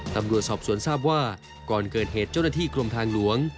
ตำรวจสอบสวนทราบว่าก่อนเกิดเหตุเจ้าหน้าที่กรมทางหลวง